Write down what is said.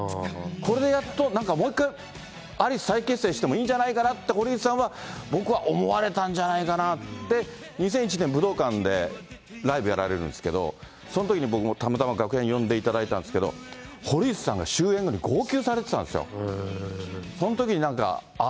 これでやっと、なんかもう一回、アリス再結成してもいいんじゃないかなって、堀内さんは僕は思われたんじゃないかなって、２００１年武道館でライブやられるんですけど、そのときに僕もたまたま楽屋に呼んでいただいたんですけど、堀内さんが終演後に号泣されてたんですよ。